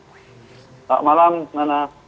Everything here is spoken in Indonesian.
selamat malam nana